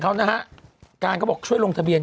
การก้บอกช่วยลงทะเบียน